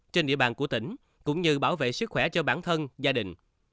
trên địa bàn của tỉnh cũng như bảo vệ sức khỏe cho bản thân gia đình